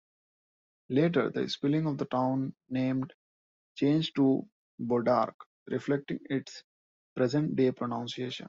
Later, the spelling of the town name changed to "Bodarc" reflecting its present-day pronunciation.